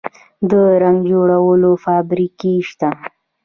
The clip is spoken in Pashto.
د رنګ جوړولو فابریکې شته؟